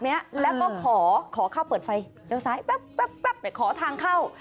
มึงบอกว่าสวนเล่นมาเพื่ออะไร